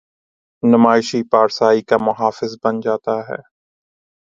نمائشی پارسائی کا محافظ بن جاتا ہے۔